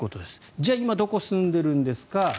じゃあ、今どこに住んでいるんですか。